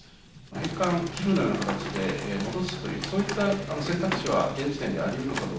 返還・寄付のような形で戻すという、そういった選択肢は現時点ではありますか。